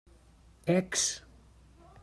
Ecs!